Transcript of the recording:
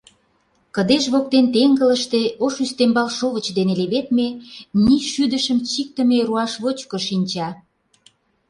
Кыдеж воктен теҥгылыште ош ӱстембал шовыч дене леведме, ний шӱдышым чиктыме руашвочко шинча.